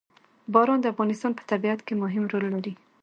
باران د افغانستان په طبیعت کې مهم رول لري.